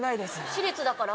私立だから？